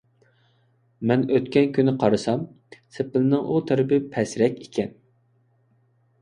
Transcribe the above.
مەن ئۆتكەن كۈنى قارىسام، سېپىلنىڭ ئۇ تەرىپى پەسرەك ئىكەن.